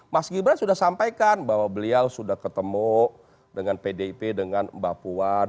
mas gibran sudah sampaikan bahwa beliau sudah ketemu dengan pdip dengan mbak puan